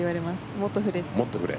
もっと振れって。